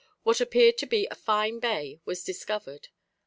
what appeared to be a fine bay was discovered.